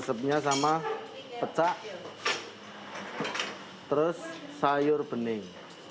kepala manjungnya sama pecah terus sayur bening